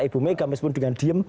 ibu megamis pun dengan diem